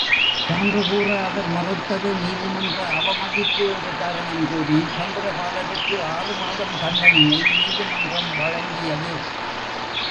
சான்று கூற அவர் மறுத்தது நீதிமன்ற அவமதிப்பு என்று காரணம் கூறி சந்திரபாலருக்கு ஆறுமாதம் தண்டனையை நீதிமன்றம் வழங்கியது.